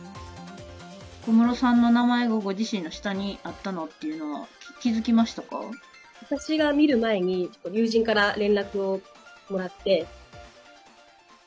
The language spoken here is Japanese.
小室さんの名前がご自身の下にあったのっていうのは、私が見る前に、ちょっと友人から連絡をもらって。